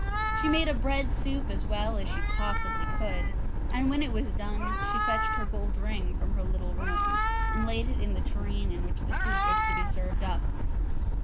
She made a bread soup as well as she possibly could, and when it was done, she fetched her gold ring from her little room, and laid it in the tureen in which the soup was to be served up.